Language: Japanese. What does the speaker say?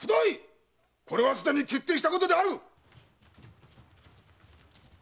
これはすでに決定したことである！